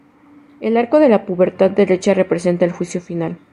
El arco de la puerta derecha representa el Juicio Final.